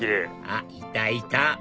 あっいたいた！